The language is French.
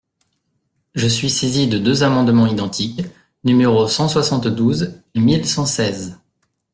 Je suis saisi de deux amendements identiques, numéros cent soixante-douze et mille cent seize.